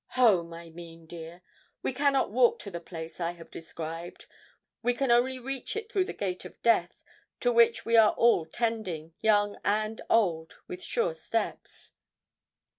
'Home, I mean, dear. We cannot walk to the place I have described. We can only reach it through the gate of death, to which we are all tending, young and old, with sure steps.'